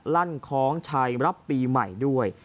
ลั่นคล้องชัยรับปีใหม่ด้วย